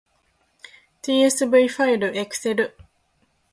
tsv ファイルエクセル